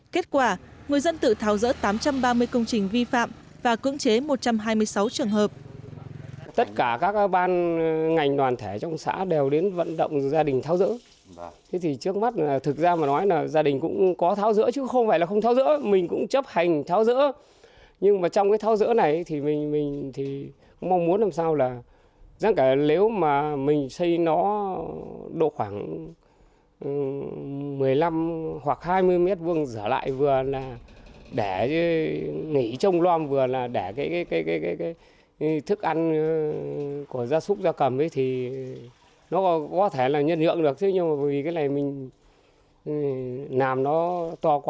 kết quả người dân tự tháo rỡ tám trăm ba mươi công trình vi phạm và cưỡng chế một trăm hai mươi sáu trường hợp